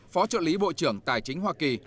phó trợ lý bộ trưởng tài chính hoa kỳ